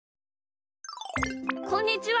こんにちは！